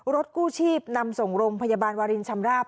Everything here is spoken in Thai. กู้ชีพนำส่งโรงพยาบาลวารินชำราบ